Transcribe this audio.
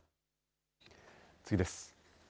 次です。